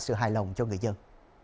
sự hài lòng cho người dân